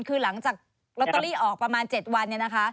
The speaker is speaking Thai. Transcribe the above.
คือหลังจากลอตเตอรี่ออกประมาณ๗วันเนี่ยนะคะ